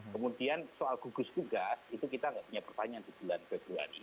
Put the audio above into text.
kemudian soal gugus tugas itu kita nggak punya pertanyaan di bulan februari